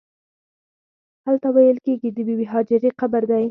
هلته ویل کېږي د بې بي هاجرې قبر دی.